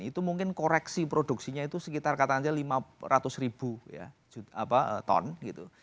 itu mungkin koreksi produksinya itu sekitar katanya lima ratus ribu ya ton gitu